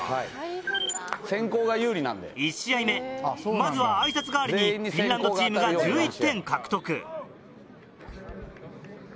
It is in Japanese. まずは挨拶代わりにフィンランドチームが１１点獲得。